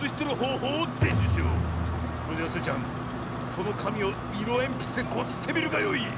それではスイちゃんそのかみをいろえんぴつでこすってみるがよい。